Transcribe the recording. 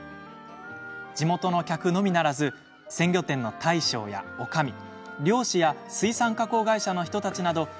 地元のお客さんのみならず鮮魚店の大将や、おかみ漁師や水産加工会社の人たちなど。